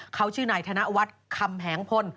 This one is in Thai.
เขาชื่อไหนธนาวัดคำแหงพล